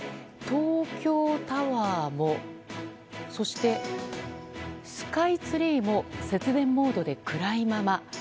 東京タワーもそしてスカイツリーも節電モードで暗いまま。